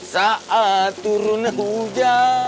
saat turun hujan